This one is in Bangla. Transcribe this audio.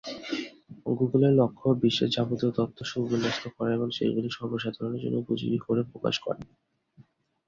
গুগলের লক্ষ্য "বিশ্বের যাবতীয় তথ্য সুবিন্যস্ত করা এবং সেগুলো সর্বসাধারণের জন্য উপযোগী করে প্রকাশ করা।"